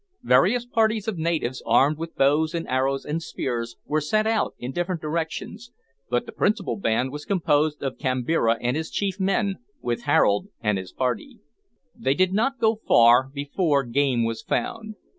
Various parties of natives, armed with bows and arrows and spears, were sent out in different directions, but the principal band was composed of Kambira and his chief men, with Harold and his party. They did not go far before game was found.